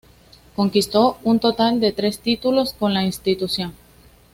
Conquistó un total de tres títulos con la institución.